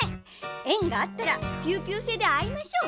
えんがあったらピューピューせいであいましょう。